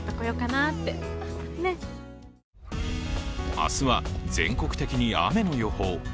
明日は全国的に雨の予報。